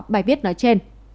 bài viết nói trên